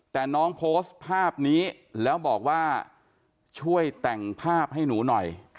แต่น้องโพสต์ภาพนี้แล้วบอกว่าช่วยแต่งภาพให้หนูหน่อย